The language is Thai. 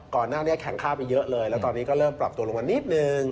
ก่อนหน้านี้แข่งค่าไปเยอะเลยแล้วตอนนี้ก็เริ่มปรับตัวลงมานิดนึง